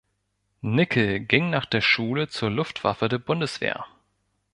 Nickel ging nach der Schule zur Luftwaffe der Bundeswehr.